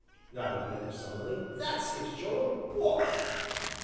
nodded the others solemnly, "that's it, Joel wot?"